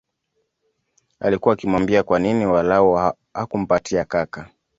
Alikua akimwambia kwa nini walau hakumpatia kaka